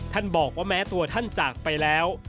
บอกว่าแม้ตัวท่านจากไปแล้ว